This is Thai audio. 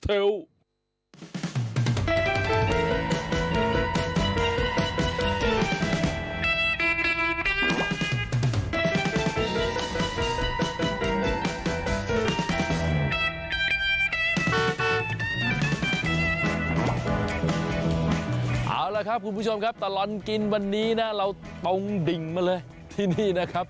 เอาละครับคุณผู้ชมครับตลอดกินวันนี้นะเราตรงดิ่งมาเลยที่นี่นะครับ